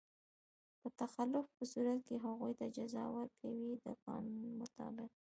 په تخلف په صورت کې هغوی ته جزا ورکوي د قانون مطابق.